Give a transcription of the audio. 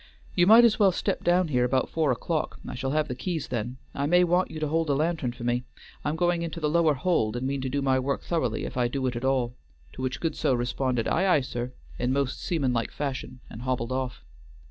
"You might as well step down here about four o'clock; I shall have the keys then. I may want you to hold a lantern for me; I'm going into the lower hold and mean to do my work thoroughly, if I do it at all," to which Goodsoe responded "ay, ay, sir," in most seamanlike fashion and hobbled off.